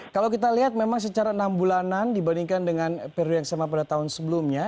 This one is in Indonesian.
kalau kita lihat memang secara enam bulanan dibandingkan dengan periode yang sama pada tahun sebelumnya